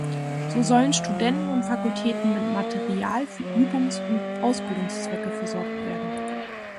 So sollen Studenten und Fakultäten mit Material für Übungs- und Ausbildungszwecke versorgt werden.